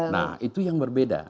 nah itu yang berbeda